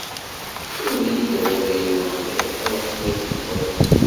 Err-iyi-d awal, ay Ameɣlal, ṛṛeḥma-k meqqret!